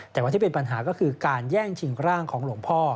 แต่วันที่เป็นปัญหาก็คือการแย่งชิงร่างของหลวงพ่อ